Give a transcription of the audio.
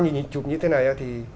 nhìn chụp như thế này thì